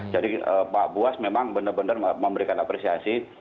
jadi pak buas memang benar benar memberikan apresiasi